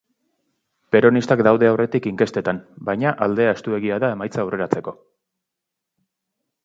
Peronistak daude aurretik inkestetan, baina aldea estuegia da emaitza aurreratzeko.